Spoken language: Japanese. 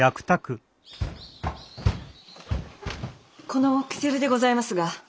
この煙管でございますが。